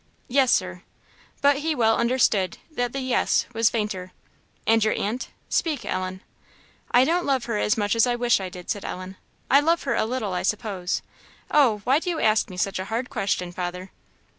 "Yes, Sir." But he well understood that the "yes" was fainter. "And your aunt? speak, Ellen." "I don't love her as much as I wish I did," said Ellen; "I love her a little, I suppose. Oh, why do you ask me such a hard question, father?"